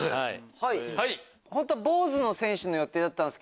はい。